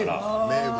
名物。